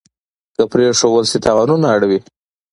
که پرېښودل شي تاوانونه اړوي.